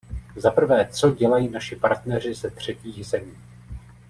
Za prvé, co dělají naši partneři ze třetích zemí.